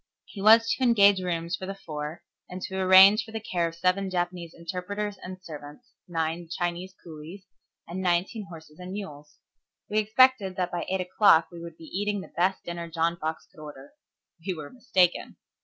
He was to engage rooms for the four, and to arrange for the care of seven Japanese interpreters and servants, nine Chinese coolies, and nineteen horses and mules. We expected that by eight o'clock we would be eating the best dinner John Fox could order. We were mistaken.